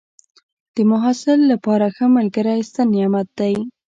د محصل لپاره ښه ملګری ستر نعمت دی.